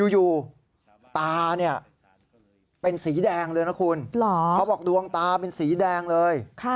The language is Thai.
อยู่ตาเนี่ยเป็นสีแดงเลยนะคุณเขาบอกดวงตาเป็นสีแดงเลย